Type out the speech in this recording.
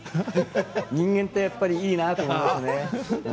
人間ってやっぱりいいなと思いますね。